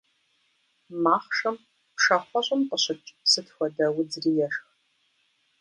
Махъшэм пшахъуэщӀым къыщыкӀ сыт хуэдэ удзри ешх.